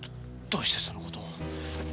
どうしてそのことを。